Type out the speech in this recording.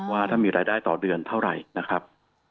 ว่าถ้ามีรายได้ต่อเดือนเท่าไหร่นะครับ